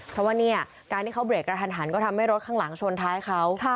เพราะว่าเนี่ยการที่เขาเบรกกระทันหันก็ทำให้รถข้างหลังชนท้ายเขา